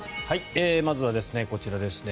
まずはこちらですね。